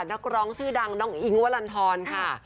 นักร้องชื่อดังน้องอิ๊งวลันทรค่ะ